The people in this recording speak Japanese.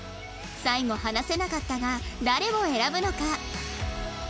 最後話せなかったが誰を選ぶのか？